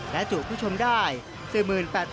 และจุดผู้ชมได้๔๘๗๐๐บาท